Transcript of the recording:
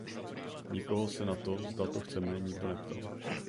Nikoho se na to, zda to chceme, nikdo neptal.